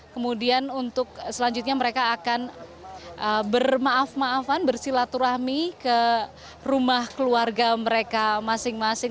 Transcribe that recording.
kemudian untuk selanjutnya mereka akan bermaaf maafan bersilaturahmi ke rumah keluarga mereka masing masing